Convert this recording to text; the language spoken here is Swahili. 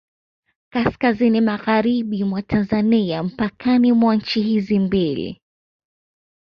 Kaskazini magharibi mwa Tanzania mpakani mwa nchi hizi mbili